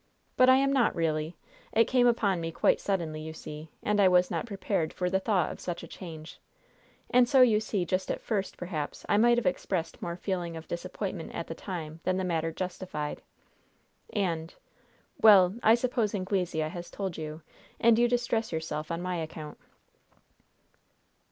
But I am not, really. It came upon me quite suddenly, you see, and I was not prepared for the thought of such a change. And so, you see, just at first, perhaps, I might have expressed more feeling of disappointment at the time than the matter justified. And Well, I suppose Anglesea has told you, and you distress yourself on my account."